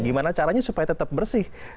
gimana caranya supaya tetap bersih